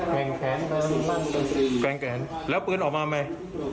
แกงแกนแกงแกนแล้วปืนออกมาเอาไหม